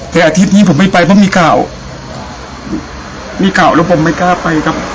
แต่อาทิตย์นี้ผมไม่ไปเพราะมีข่าวมีข่าวแล้วผมไม่กล้าไปครับ